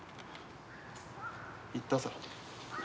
言ったさ。